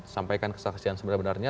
sampaikan kesaksian sebenarnya benarnya